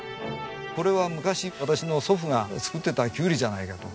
これは昔私の祖父が作っていたキュウリじゃないかと。